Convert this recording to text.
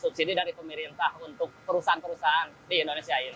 subsidi dari pemerintah untuk perusahaan perusahaan di indonesia ini